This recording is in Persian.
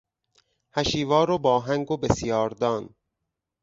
هشیوار و باهنگ و بسیار دان